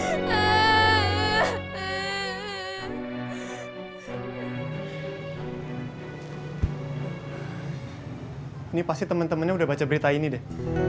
ini pasti temen temennya udah baca berita ini deh